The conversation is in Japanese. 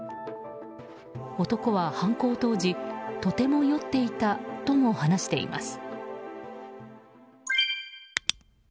男は犯行当時、とても酔っていたとも話しています。